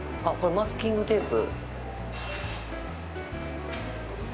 マスキングテープ。